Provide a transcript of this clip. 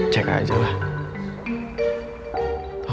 cek aja lah